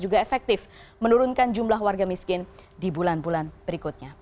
juga efektif menurunkan jumlah warga miskin di bulan bulan berikutnya